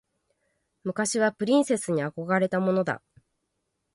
昔はプリンセスに憧れたものだ。